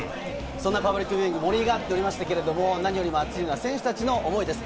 パブリックビューイング盛り上がっていましたけれども、何より熱いのは選手たちの思いです。